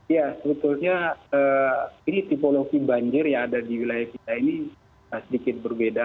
ya sebetulnya ini tipologi banjir yang ada di wilayah kita ini sedikit berbeda